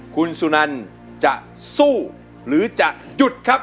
คุณสุนันจะสู้หรือจะหยุดครับ